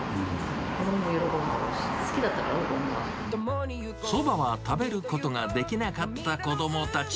子どもも喜ぶだろうし、好きだったから、そばは食べることができなかった子どもたち。